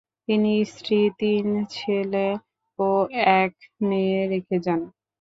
তিনি স্ত্রী, তিন ছেলে ও এক মেয়ে রেখে যান।